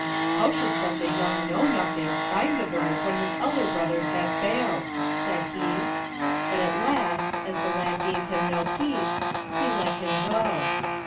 "How should such a young know nothing find the bird when his elder bro thers have failed?*' said he. But at last, as the lad gave him no peace, he let him go.